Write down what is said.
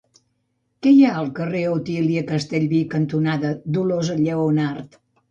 Què hi ha al carrer Otília Castellví cantonada Dolors Lleonart?